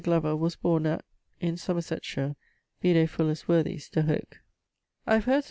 Glover, was borne at ... in Somersetshire; vide Fuller's 'Worthies' de hoc. I have heard Sir Wm.